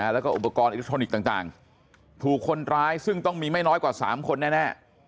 แล้วก็อุปกรณ์อิเล็กทรอนิกส์ต่างถูกคนร้ายซึ่งต้องมีไม่น้อยกว่า๓คนแน่